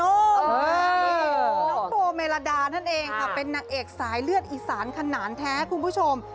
น้องโบเมลาดานั่นเองค่ะเป็นนางเอกสายเลือดอีสานขนาดแท้คุณผู้ชม